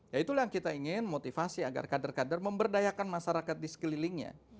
ya itulah yang kita ingin motivasi agar kader kader memberdayakan masyarakat di sekelilingnya